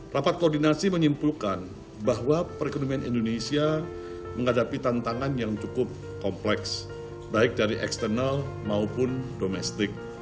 rapat koordinasi menyimpulkan bahwa perekonomian indonesia menghadapi tantangan yang cukup kompleks baik dari eksternal maupun domestik